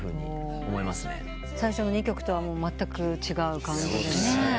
最初の２曲とはまったく違う感じでね。